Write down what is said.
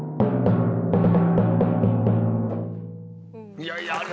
いやいや。